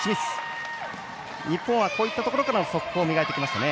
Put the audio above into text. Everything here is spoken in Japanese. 日本はこういったところからの速攻を磨いてきましたね。